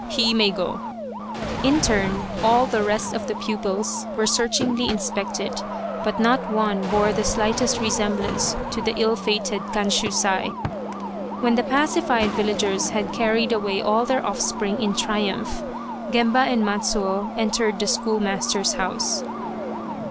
He may go !" In turn, all the rest of the pupils were searchingly inspected, but not one bore the slightest resemblance to the ill fated Kanshusai. When the pacified villagers had carried away all their offspring in triumph, Gemba and Matsuo entered the schoolmaster's house.